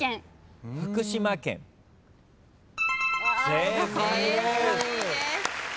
正解です。